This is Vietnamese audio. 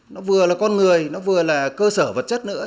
nó vừa là con người nó vừa là cơ sở vật chất nữa